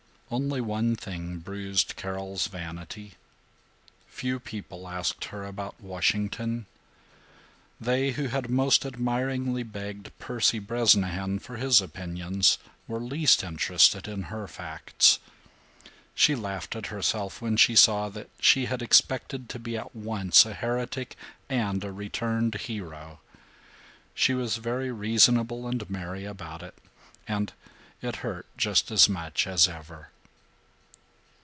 Only one thing bruised Carol's vanity. Few people asked her about Washington. They who had most admiringly begged Percy Bresnahan for his opinions were least interested in her facts. She laughed at herself when she saw that she had expected to be at once a heretic and a returned hero; she was very reasonable and merry about it; and it hurt just as much as ever.